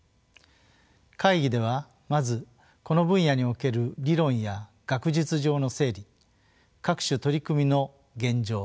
会議ではまずこの分野における理論や学術上の整理各種取り組みの現状